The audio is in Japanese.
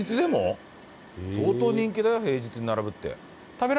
相当人気だよ平日に並ぶって。